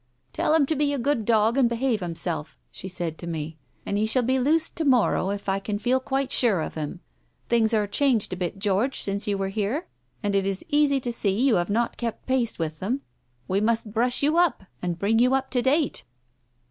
"Tell him to be a good dog and behave himself," she said to me, "and he shall be loosed to morrow, if I can feel quite sure of him. ... Things are changed a bit, George, since you were here, and it is easy to see you have not kept pace with them. We must brush you up, and bring you up to date.